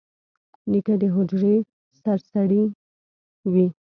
نیکه د حجرې سرسړی وي.